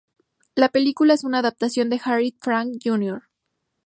La película es una adaptación de Harriet Frank Jr.